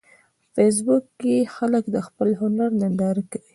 په فېسبوک کې خلک د خپل هنر ننداره کوي